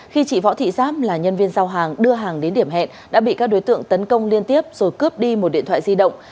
khi chị võ thị giáp là nhân viên giao hàng đưa hàng đến điểm hẹn đã bị các đối tượng tấn công liên tiếp rồi cướp đi một điện thoại di động